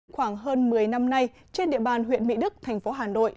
khoảng hơn một mươi năm nay trên địa bàn huyện mỹ đức thành phố hà nội